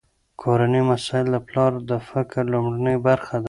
کورني مسایل د پلار د فکر لومړنۍ برخه ده.